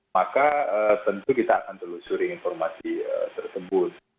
maka tentu kita akan telusuri informasi tersebut